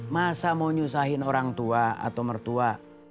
masa mau nyusahin orang tua atau mertua